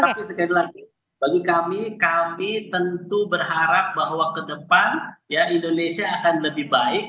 tapi sekali lagi bagi kami kami tentu berharap bahwa ke depan indonesia akan lebih baik